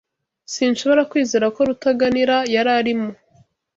Sinshobora kwizera ko Rutaganira yari arimo.